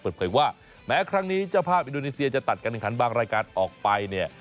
เปิดเผยว่าแม้ครั้งนี้เจ้าภาพอินโดนีเซียจะตัดการแข่งขันบางรายการออกไปเนี่ย